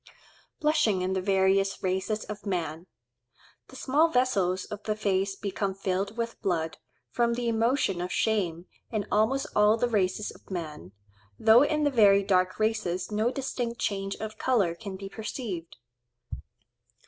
Blushing in the various races of man.—The small vessels of the face become filled with blood, from the emotion of shame, in almost all the races of man, though in the very dark races no distinct change of colour can be perceived.